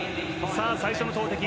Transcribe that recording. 最初の投てき